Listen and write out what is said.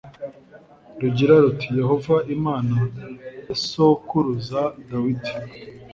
rugira ruti yehova imana ya sokuruza dawidi